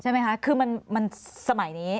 ใช่ไหมคะคือมันสมัยนี้